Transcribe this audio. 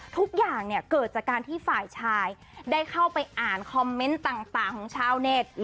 ทุกอย่างเนี่ยเกิดจากการที่ฝ่ายชายได้เข้าไปอ่านคอมเมนต์ต่างของชาวเน็ต